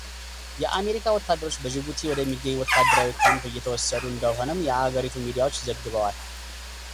የአሜሪካ ወታደሮች በጂቡቲ ወደሚገኝ ወታደራዊ ካምፕ እየተወሰዱ እንደሆነም የአገሪቱ ሚዲያዎች ዘግበዋል።